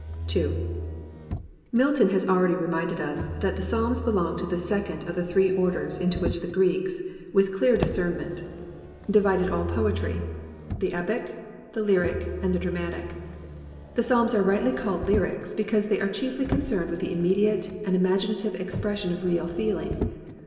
n Milton has already reminded us that the Psalms belong to the second of the three orders into which the Greeks, with clear discernment, divided all 47 COMPANIONABLE BOOKS poetry: the epic, the lyric, and the dramatic. The Psalms are rightly called lyrics because they are chiefly concerned with the immediate and imagina tive expression of real feeling.